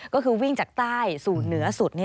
ก็คือวิ่งจากใต้สู่เหนือสุด